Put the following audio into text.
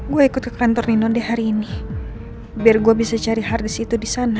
gue ikut ke kantor rino deh hari ini biar gue bisa cari harddisk itu di sana